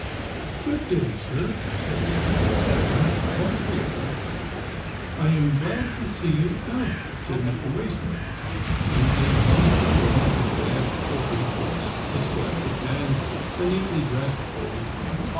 " Good day, sir," said the old man stiffly but agreeably. " I am glad to see you out," said Mr. Way smith, and he gave one comprehensive glance over the horse, the sleigh, and the neatly dressed old man.